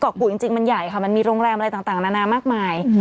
กุดจริงมันใหญ่ค่ะมันมีโรงแรมอะไรต่างนานามากมาย